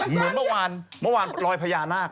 เหมือนเมื่อวานรอยพญานาค